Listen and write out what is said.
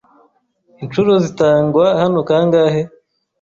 Inshuro zitangwa hano kangahe?